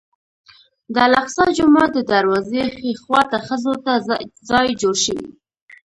د الاقصی جومات د دروازې ښي خوا ته ښځو ته ځای جوړ شوی.